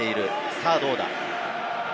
さぁどうだ。